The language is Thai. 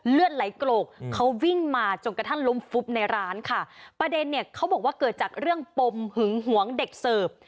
เลือดไหลโกรกเขาวิ่งมาจนกระทั่งล้มฟุบในร้านค่ะประเด็นเนี่ยเขาบอกว่าเกิดจากเรื่องปมหึงหวงเด็กเสิร์ฟ